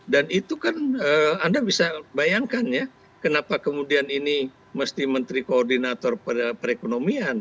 dan itu kan anda bisa bayangkan ya kenapa kemudian ini mesti menteri koordinator perekonomian